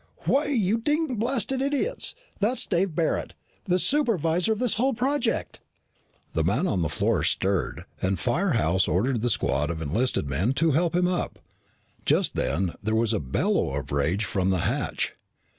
"Why, you ding blasted idiots, that's Dave Barret, the supervisor of this whole project!" The man on the floor stirred and Firehouse ordered the squad of enlisted men to help him up. Just then, there was a bellow of rage from the hatch.